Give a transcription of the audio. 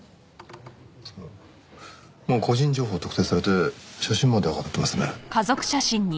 もう個人情報特定されて写真まで上がってますね。